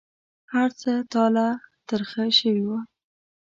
هرڅه تالا ترغه شوي و.